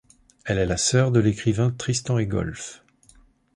Elle est la sœur de l'écrivain Tristan Egolf.